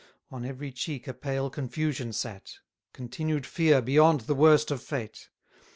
On every cheek a pale confusion sate, Continued fear beyond the worst of fate!